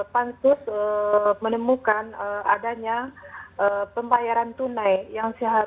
pansus menemukan adanya pembayaran tunai yang seharusnya diperlukan oleh pansus